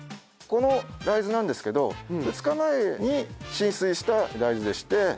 この大豆なんですけど２日前に浸水した大豆でして。